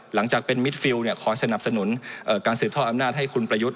หลังจากเป็นมิดฟิลคอยสนับสนุนการสืบทอดอำนาจให้คุณประยุทธ์